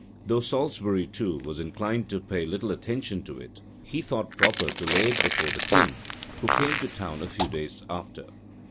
Though Salisbury, too, was inclined to pay little attention to it, he thought proper to lay it before the king, who came to town a few days after.